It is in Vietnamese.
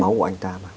giọt máu của anh ta mà